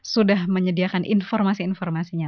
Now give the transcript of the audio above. sudah menyediakan informasi informasinya